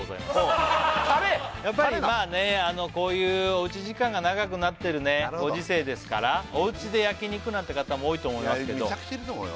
やっぱりまあねこういうおうち時間が長くなってるご時世ですからおうちで焼肉なんて方も多いと思いますけどめちゃくちゃいると思うよ